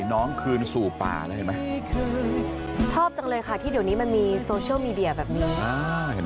น้องคืนสู่ป่าแล้วเห็นไหมชอบจังเลยค่ะที่เดี๋ยวนี้มันมีโซเชียลมีเดียแบบนี้